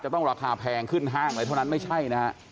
จะต้องราคาแพงขึ้นห้างเลยเท่านั้นไม่ใช่